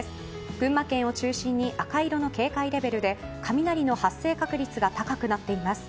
群馬県を中心に赤色の警戒レベルで雷の発生確率が高くなっています。